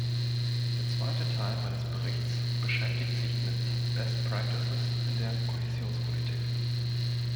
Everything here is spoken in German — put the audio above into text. Der zweite Teil meines Berichts beschäftigt sich mit best practices in der Kohäsionspolitik.